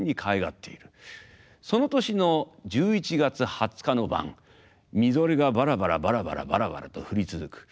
その年の１１月２０日の晩みぞれがバラバラバラバラバラバラと降り続く。